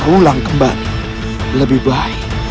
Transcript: kalau memang benar